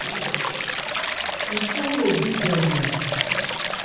Khuthwán lo bíjan mɔn.